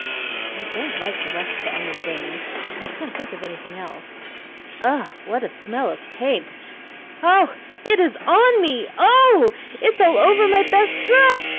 "I don't like 'the rush to Emma Jane,' and I can't think of anything else. Oh! what a smell of paint! Oh! it is ON me! Oh! it's all over my best dress!